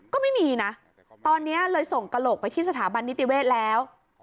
ก็ไม่มีนะตอนนี้เลยส่งกระโหลกไปที่สถาบันนิติเวศแล้ว